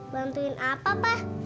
bantuin apa pak